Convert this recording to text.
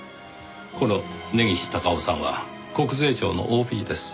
この根岸隆雄さんは国税庁のＯＢです。